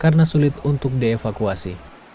karena sulit untuk dievakuasi